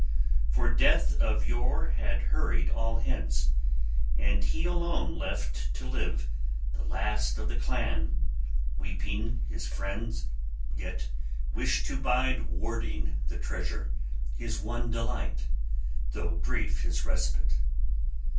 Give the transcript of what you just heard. For death of yore had hurried all hence; and he alone left to live, the last of the clan, weeping his friends, yet wished to bide warding the treasure, his one delight, though brief his respite.